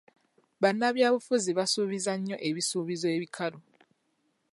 Bannabyabufuzi basuubiza nnyo ebisuubizo ebikalu.